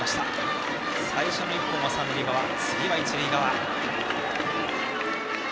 最初の１本は三塁側次は一塁側。